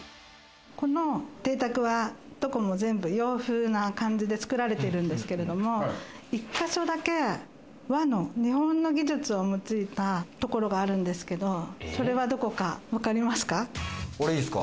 この邸宅はどこも全部、洋風な感じでつくられているんですけれども、１ヶ所だけ和の日本の技術を用いた所があるんですけれども、それは、どこかわかりますか？